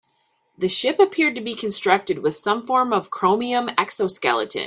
The ship appeared to be constructed with some form of chromium exoskeleton.